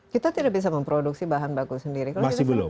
kita tidak bisa memproduksi bahan baku sendiri